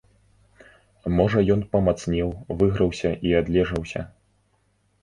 Можа ён памацнеў, выграўся і адлежаўся.